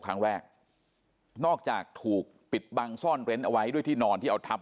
ครั้งแรกนอกจากถูกปิดบังซ่อนเร้นเอาไว้ด้วยที่นอนที่เอาทับ